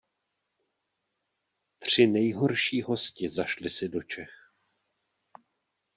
Tři nejhorší hosti zašli si do Čech.